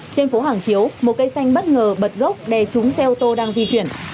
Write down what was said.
trên phố hàng chiếu một cây xanh bất ngờ bật gốc đè trúng xe ô tô đang di chuyển